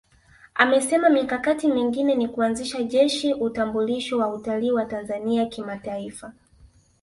Amesema mikakati mingine ni kuanzisha Jeshi Utambulisho wa Utalii wa Tanzania Kimataifa